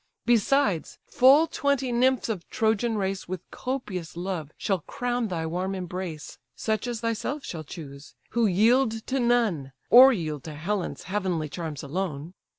Besides, full twenty nymphs of Trojan race With copious love shall crown thy warm embrace; Such as thyself shall chose; who yield to none, Or yield to Helen's heavenly charms alone.